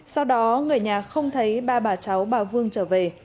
sau đó người nhà không thấy ba bà cháu bà vương trở về